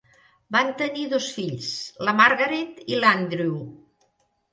Van tenir dos fills, la Margaret i l'Andrew.